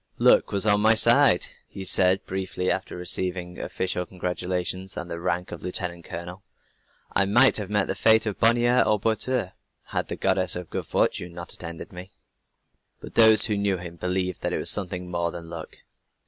"Luck was on my side," he said briefly after receiving official congratulations, and the rank of lieutenant colonel. "I might have met the fate of Bonnier and Boiteux, had the Goddess of Good Fortune not attended me." But those who knew him believed that it was something more than luck.